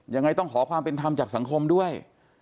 ยังไงต้องขอความเป็นธรรมจากสังคมด้วย